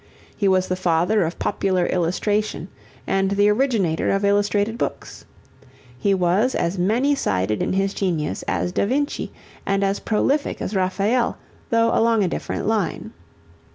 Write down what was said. He was the father of popular illustration and the originator of illustrated books. He was as many sided in his genius as Da Vinci and as prolific as Raphael, though along a different line.